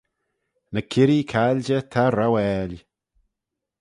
Ny kirree cailjey ta rouail.